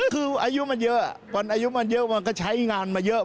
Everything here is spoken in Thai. คืออายุมันเยอะคนอายุมันเยอะมันก็ใช้งานมาเยอะ